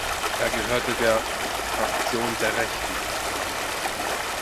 Er gehörte der "Fraktion der Rechten" an.